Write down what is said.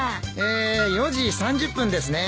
え４時３０分ですね。